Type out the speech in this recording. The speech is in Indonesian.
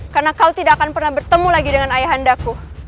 karena kau tidak akan pernah bertemu lagi dengan ayahandaku